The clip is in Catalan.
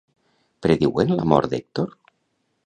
Prediuen la mort d'Hèctor?